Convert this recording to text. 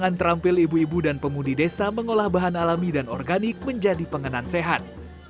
yang terampil ibu ibu dan pemudi desa mengolah bahan alami dan organik menjadi pengenan sehat